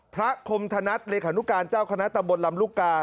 คมธนัดเลขานุการเจ้าคณะตำบลลำลูกกา